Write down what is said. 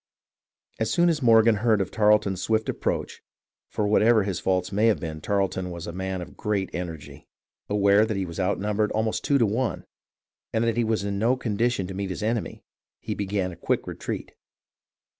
As soon as Morgan heard of Tarleton's swift approach (for whatever his faults may have been Tarleton was a man of great energy), aware that he was outnumbered almost two to one, and that he was in no condition to meet his enemy, he began a quick retreat.